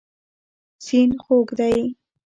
سیند خوږ دی.